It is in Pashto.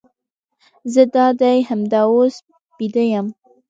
زه دادي همدا اوس بیده یم.